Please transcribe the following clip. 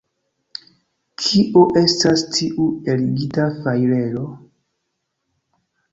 Kio estas tiu eligita fajrero?